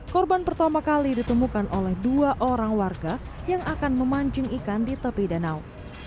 korban pertama kali ditemukan oleh dua orang warga yang akan memancing ikan di tepi danau